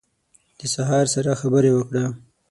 د سهار سره خبرې وکړه